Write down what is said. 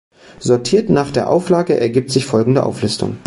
Sortiert nach der Auflage ergibt sich folgende Auflistung.